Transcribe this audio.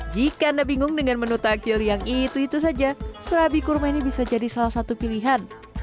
jika anda bingung dengan menu takjil yang itu itu saja serabi kurma ini bisa jadi salah satu pilihan